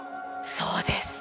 そうです。